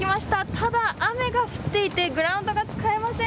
ただ、雨が降っていてグラウンドが使えません。